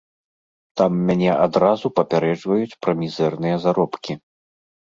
Там мяне адразу папярэджваюць пра мізэрныя заробкі.